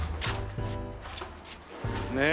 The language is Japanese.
ねえ。